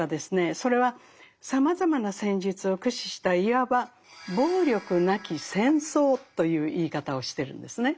それはさまざまな戦術を駆使したいわば暴力なき「戦争」という言い方をしてるんですね。